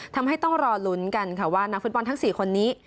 ต้องรอลุ้นกันค่ะว่านักฟุตบอลทั้ง๔คนนี้